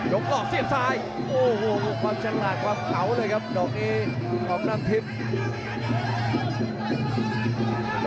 หลอกเสียบซ้ายโอ้โหความฉลาดความเก๋าเลยครับดอกนี้ของน้ำทิพย์